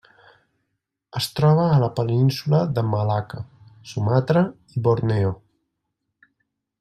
Es troba a la península de Malacca, Sumatra i Borneo.